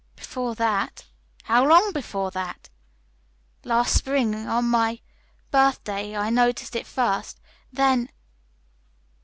"Before that." "How long before that?" "Last spring on my birthday. I noticed it first then."